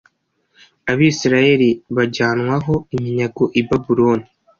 Abisirayeli bajyanwaho iminyago i Babuloni